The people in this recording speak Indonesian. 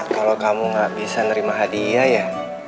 kalau kamu gak bisa nerima hadiah ya